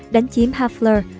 đánh chiếm hafler